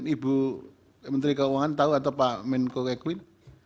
ibu menteri keuangan tahu atau pak menko eklin